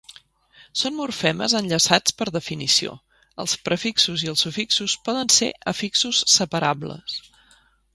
Són morfemes enllaçats per definició; els prefixos i els sufixos poden ser afixos separables.